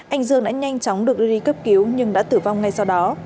anh dương đã nhanh chóng được đưa đi cấp cứu nhưng đã tử vong ngay sau đó